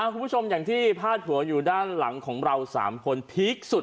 คุณผู้ชมอย่างที่พาดหัวอยู่ด้านหลังของเรา๓คนพีคสุด